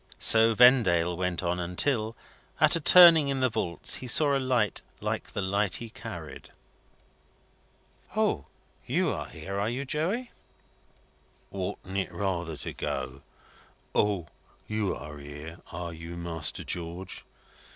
So Vendale went on until, at a turning in the vaults, he saw a light like the light he carried. "O! You are here, are you, Joey?" "Oughtn't it rather to go, 'O! You're here, are you, Master George?'